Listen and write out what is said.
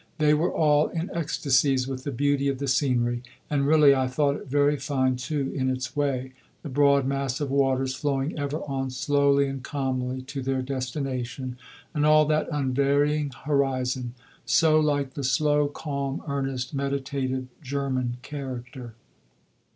They were all in ecstasies with the beauty of the scenery, and really I thought it very fine too in its way the broad mass of waters flowing ever on slowly and calmly to their destination, and all that unvarying horizon so like the slow, calm, earnest, meditative German character.